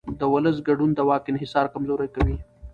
د ولس ګډون د واک انحصار کمزوری کوي